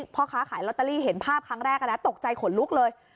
พ่อค้าขายลอตเตอรี่เห็นภาพครั้งแรกตกใจขนลุกเลย